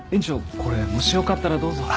これもしよかったらどうぞ。